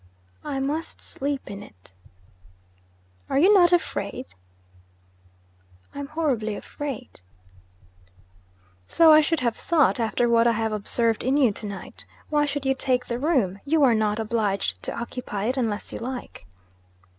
'I must sleep in it.' 'Are you not afraid?' 'I am horribly afraid.' 'So I should have thought, after what I have observed in you to night. Why should you take the room? You are not obliged to occupy it, unless you like.'